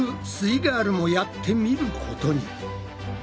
イガールもやってみることに。